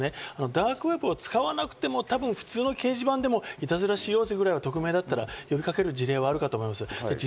ダークウェブを使わなくても、普通の掲示板でもいたずらしようぜくらいは、匿名だったら呼びかける事例はあるかと思います。